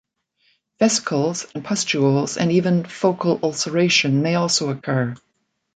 Vesicles and pustules and even focal ulceration may also occur.